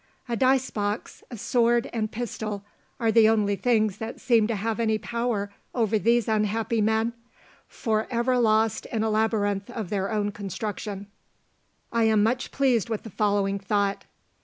A dice box, a sword, and pistol, are the only things that seem to have any power over these unhappy men, for ever lost in a labyrinth of their own construction. I am much pleased with the following thought.